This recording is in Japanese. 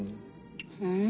うん？